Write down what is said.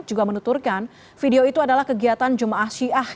juga menuturkan video itu adalah kegiatan jum'ah syiah